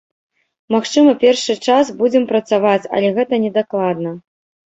Магчыма, першы час будзем працаваць, але гэта не дакладна.